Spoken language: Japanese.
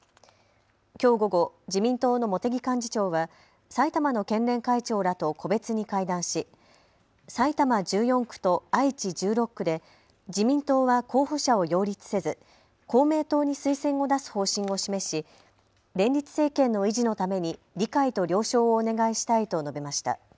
きょう午後、自民党の茂木幹事長は埼玉の県連会長らと個別に会談し埼玉１４区と愛知１６区で自民党は候補者を擁立せず公明党に推薦を出す方針を示し連立政権の維持のために理解と了承をお願いしたいと述べました。